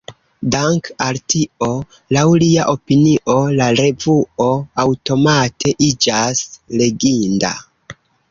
Dank’ al tio, laŭ lia opinio, la revuo aŭtomate iĝas “leginda”.